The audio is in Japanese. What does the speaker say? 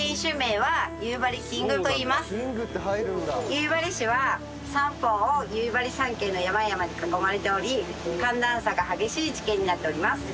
夕張市は三方を夕張山系の山々に囲まれており寒暖差が激しい地形になっております。